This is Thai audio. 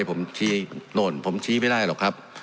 ผมชี้โน่นผมชี้ไม่ได้หรอกครับ